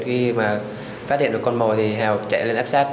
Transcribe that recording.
khi mà phát hiện được con mồi thì hào chạy lên áp sát